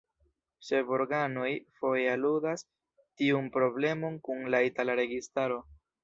Seborganoj foje aludas tiun problemon kun la itala registaro.